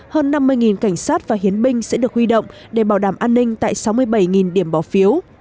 hơn năm mươi cảnh sát và hiến binh sẽ được huy động để bảo đảm an ninh tại sáu mươi bảy điểm bỏ phiếu